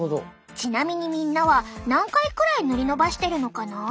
ちなみにみんなは何回くらい塗り伸ばしてるのかな？